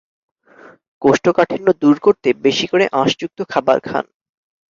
কোষ্ঠকাঠিন্য দূর করতে বেশি করে আঁশযুক্ত খাবার খান।